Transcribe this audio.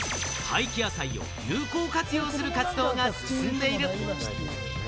廃棄野菜を有効活用する活動が進んでいる。